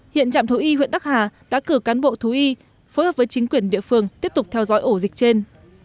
hiện trạm thú y huyện đắc hà đã cử cán bộ thú y phối hợp với chính quyền địa phương tiếp tục theo dõi ổ dịch trên